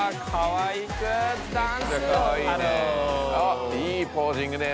いいポージングです。